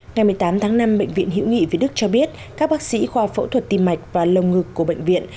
ngày một mươi tám tháng năm bệnh viện hiễu nghị việt đức cho biết các bác sĩ khoa phẫu thuật tim mạch và lồng ngực của bệnh viện